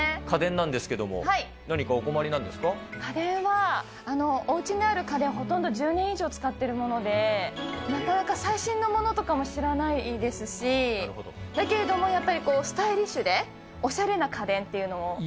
家電なんですけれども、家電は、おうちにある家電、ほとんど１０年以上使っているもので、なかなか最新のものとかも知らないですし、だけれども、やっぱりスタイリッシュで、おしゃれな家電っていうのを。